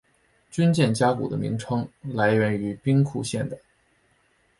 军舰加古的名称来源于兵库县的。